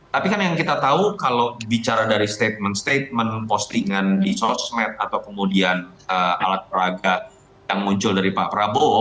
tapi kan yang kita tahu kalau bicara dari statement statement postingan di sosmed atau kemudian alat peraga yang muncul dari pak prabowo